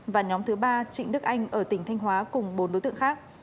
và nhóm thứ ba trịnh đức anh ở tỉnh thanh hóa cùng bốn đối tượng khác